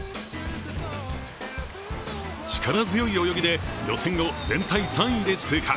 力強い泳ぎで予選を全体３位で通過。